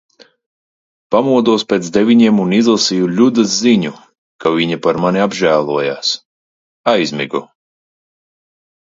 Pamodos pēc deviņiem un izlasīju Ļudas ziņu, ka viņa par mani apžēlojās. Aizmigu.